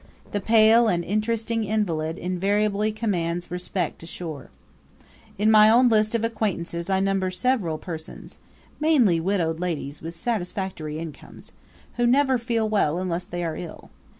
The pale and interesting invalid invariably commands respect ashore. In my own list of acquaintances I number several persons mainly widowed ladies with satisfactory incomes who never feel well unless they are ill.